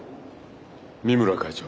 三村会長。